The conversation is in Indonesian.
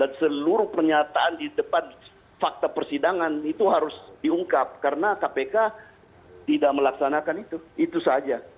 dan seluruh pernyataan di depan fakta persidangan itu harus diungkap karena kpk tidak melaksanakan itu itu saja